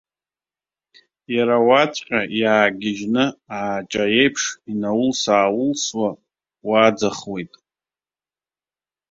Иара уаҵәҟьа иаагьжьны ааҷа аиԥш инаулсааулсуа уаӡахуеит.